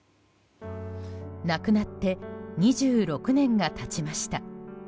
亡くなって２６年が経ちました。